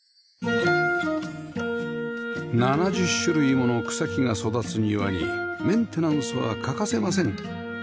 ７０種類もの草木が育つ庭にメンテナンスは欠かせません